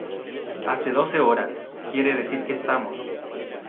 hace doce horas, quiere decir que estamos